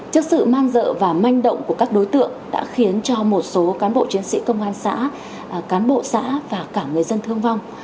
trước sự man dợ và manh động của các đối tượng đã khiến cho một số cán bộ chiến sĩ công an xã cán bộ xã và cả người dân thương vong